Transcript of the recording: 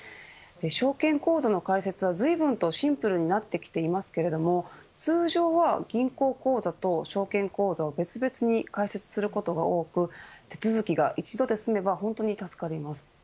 証券口座の開設は、ずいぶんとシンプルになってきていますけれど通常は銀行口座と証券口座を別々に開設することが多く手続きが一度で済めば本当に助かります。